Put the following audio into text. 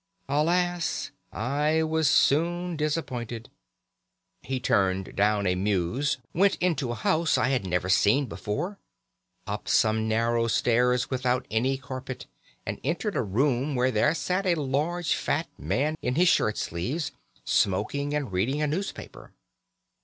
Alas! I was soon disappointed. He turned down a mews, went into a house I had never seen before, up some narrow stairs without any carpet, and entered a room where there sat a large fat man in his shirt sleeves, smoking and reading a newspaper.